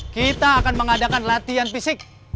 kita akan mengadakan latihan fisik